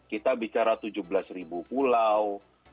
kita bicara tujuh belas ribu pulau